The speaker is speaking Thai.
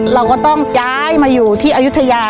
เราก็ต้องย้ายมาอยู่ที่อายุทยา